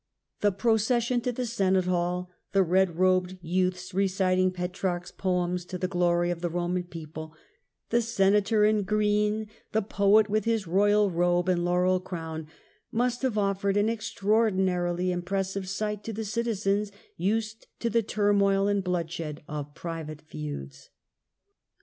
The procession to the Senate Hall, the red robed youths reciting Petrarch's poems to the glory of the Eoman people, the Senator in green, the poet with his royal robe and laurel crown must have offered an extraordinarily impressive sight to the citizens used to the turmoil and bloodshed of private feuds.